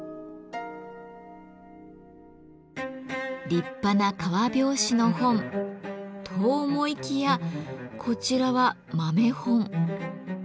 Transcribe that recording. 立派な革表紙の本と思いきやこちらは豆本。